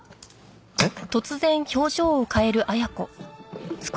えっ？